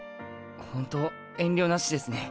ほんと遠慮なしですね。